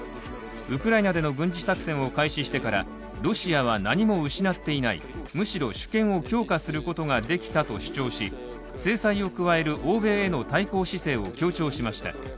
ウクライナでの軍事作戦を開始してからロシアは何も失っていないむしろ主権を強化することができたと主張し制裁を加える欧米への対抗姿勢を強調しました。